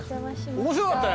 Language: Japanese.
面白かった。